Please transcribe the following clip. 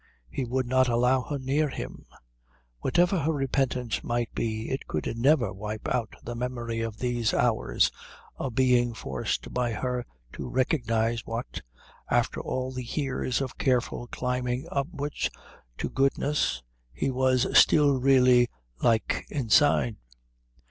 He would not allow her near him. Whatever her repentance might be it could never wipe out the memory of these hours of being forced by her to recognise what, after all the years of careful climbing upwards to goodness, he was still really like inside.